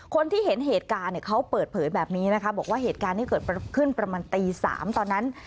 คนที่เห็นเหตุการณ์เนี่ยเขาเปิดเผยแบบนี้นะคะบอกว่าเหตุการณ์ที่เกิดขึ้นประมาณตี๓ตอนนั้น